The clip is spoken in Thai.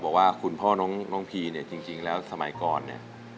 บอกว่าคุณพ่อน้องพีเนี่ยจริงแล้วสมัยก่อนเนี่ย